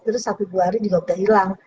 terus satu dua hari juga sudah hilang